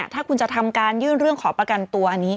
ถ้าคุณจะทำการยื่นเรื่องขอประกันตัวอันนี้